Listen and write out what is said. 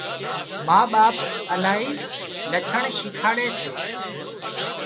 ما ٻاپ الاهي لڇڻ شيکاڙي سي